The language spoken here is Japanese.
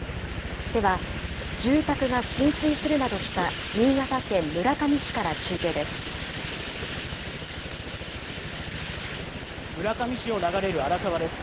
では、住宅が浸水するなどした新潟県村上市から中継です。